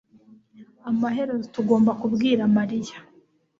Amaherezo tuzagomba kubwira mariya